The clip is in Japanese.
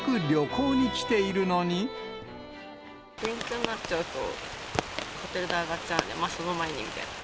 連休になっちゃうと、ホテル代上がっちゃうんで、その前にみたいな。